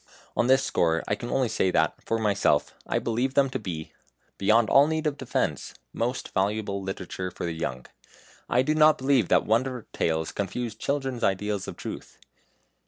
On this score I can only say that, for myself, I believe them to be beyond all need of defence most valuable literature for the young. I do not believe that wonder tales confuse children's ideas of truth.